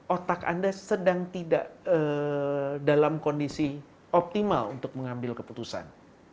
otak anda sedang tidak dalam kondisi optimal untuk mengambil keputusan